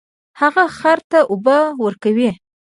هغه خر ته اوبه ورکړې.